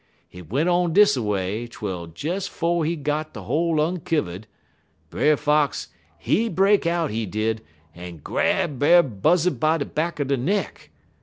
Hit went on dis a way, twel des 'fo' he got de hole unkivvud, Brer Fox, he break out he did, en grab Brer Buzzud by de back er de neck.